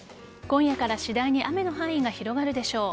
今夜から次第に雨の範囲が広がるでしょう。